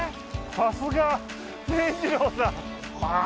さすが善次郎さん